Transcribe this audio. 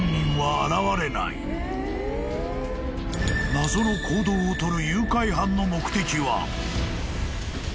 ［謎の行動を取る誘拐犯の目的は？］